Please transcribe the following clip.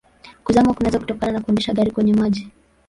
Kuzama kunaweza kutokana na kuendesha gari kwenye maji.